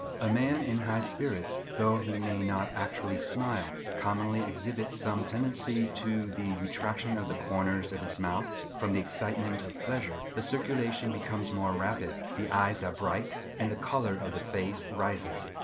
—A man in high spirits, though he may not actually smile, commonly exhibits some tendency to the retraction of the corners of his mouth. From the excitement of pleasure, the circulation becomes more rapid; the eyes are bright, and the colour of the face rises.